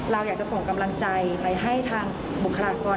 เราอยากจะส่งกำลังใจไปให้ทางบุคลากร